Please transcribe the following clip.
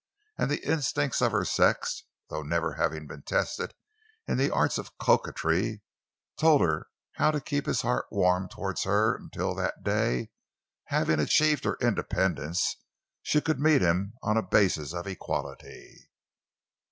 And the instincts of her sex—though never having been tested in the arts of coquetry—told her how to keep his heart warm toward her until that day, having achieved her independence, she could meet him on a basis of equality.